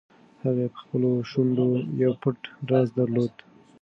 هغې په خپلو شونډو یو پټ راز درلود.